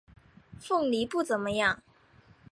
凤梨不怎么样